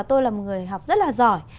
tôi là một người học rất là giỏi